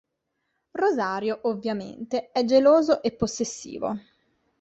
Rosario, ovviamente, è geloso e possessivo.